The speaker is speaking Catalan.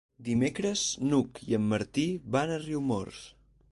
Dimecres n'Hug i en Martí van a Riumors.